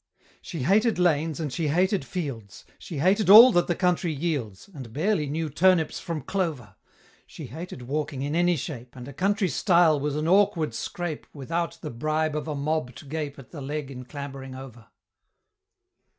She hated lanes and she hated fields She hated all that the country yields And barely knew turnips from clover; She hated walking in any shape, And a country stile was an awkward scrape, Without the bribe of a mob to gape At the Leg in clambering over!